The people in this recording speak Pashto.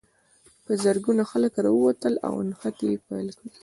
په زرګونو خلک راووتل او نښتې یې پیل کړې.